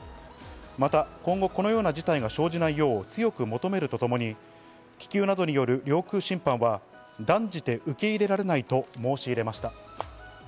また今後、このような事態が生じないように強く求めるとともに、気球などによる領空侵犯は断じて受け入れられないと申し入れました。